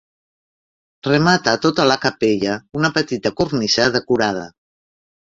Remata tota la capella una petita cornisa decorada.